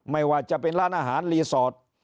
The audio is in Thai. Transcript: ไม่ว่าจะเป็นร้านอาหารรีสอร์ท